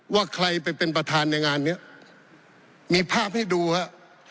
ว่าใครไปเป็นประธานในงานเนี้ยมีภาพให้ดูฮะ